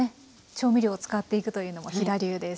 調味料を使っていくというのも飛田流です。